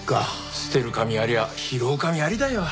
捨てる神ありゃ拾う神ありだよ。